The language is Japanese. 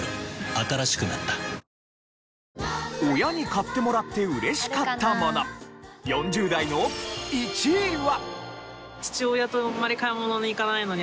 新しくなった親に買ってもらって嬉しかったもの４０代の１位は。